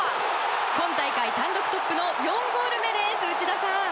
今大会単独トップの４ゴール目です、内田さん。